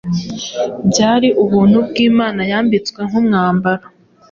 byari ubuntu bw’Imana yambitswe nk’umwambaro.